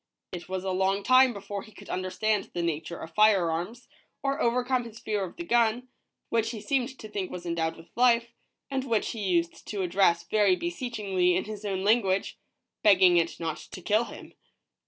It was a long time before he could understand the Nature of fire arms, or overcome his fear of the gun, which he seemed to think was endowed with life, and which he used to address very beseechingly in his own language, begging it not to kill him.